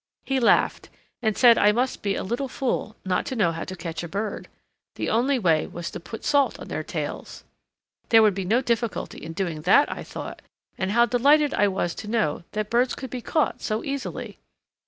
He laughed and said I must be a little fool not to know how to catch a bird. The only way was to put salt on their tails. There would be no difficulty in doing that, I thought, and how delighted I was to know that birds could be caught so easily!